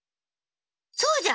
そうじゃ！